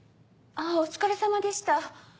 あお疲れさまでした。